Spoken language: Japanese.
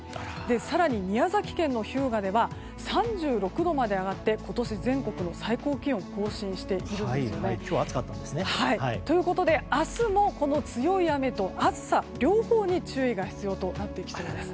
更に宮崎県の日向では３６度まで上がって今年、全国の最高気温を更新しているんです。ということで明日も強い雨と暑さ両方に注意が必要となってきそうです。